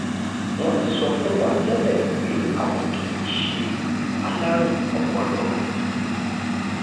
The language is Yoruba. Wọ́n ti sọ fún wa tẹ́lẹ̀ pé àwọn kìí se alárùn ọpọlọ.